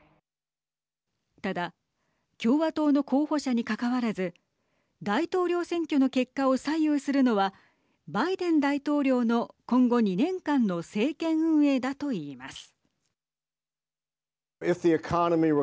ただ共和党の候補者にかかわらず大統領選挙の結果を左右するのはバイデン大統領の今後２年間の政権運営だといいます。